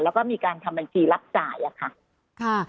แล้วก็มีการทำบัญชีรับจ่ายอะค่ะ